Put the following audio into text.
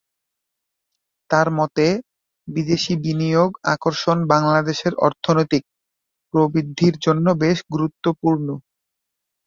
তাঁর মতে, বিদেশি বিনিয়োগ আকর্ষণ বাংলাদেশের অর্থনৈতিক প্রবৃদ্ধির জন্য বেশ গুরুত্বপূর্ণ।